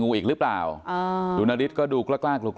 ป้าอันนาบอกว่าตอนนี้ยังขวัญเสียค่ะไม่พร้อมจะให้ข้อมูลอะไรกับนักข่าวนะคะ